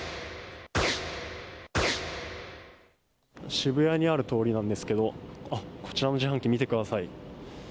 渋谷にある通りなんですけどこちらの自販機、見てください。